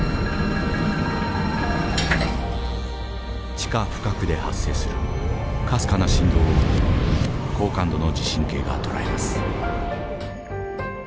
地下深くで発生するかすかな震動を高感度の地震計が捉えます。